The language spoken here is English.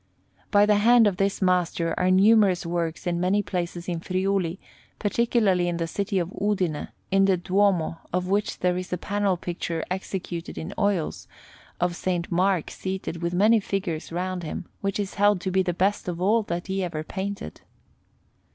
By the hand of this master are numerous works in many places in Friuli, particularly in the city of Udine, in the Duomo of which there is a panel picture executed in oils, of S. Mark seated with many figures round him, which is held to be the best of all that he ever painted.